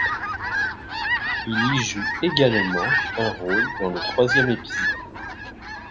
Il y joue également un rôle dans le troisième épisode.